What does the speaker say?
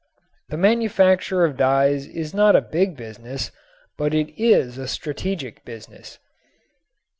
The manufacture of dyes is not a big business, but it is a strategic business.